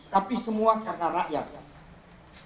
tapi semua karena rakyat